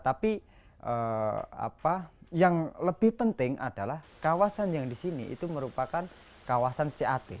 tapi yang lebih penting adalah kawasan yang di sini itu merupakan kawasan cat